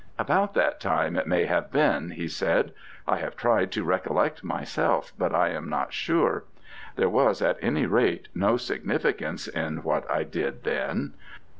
"About that time it may have been," he said. "I have tried to recollect myself, but I am not sure. There was, at any rate, no significance in what I did then."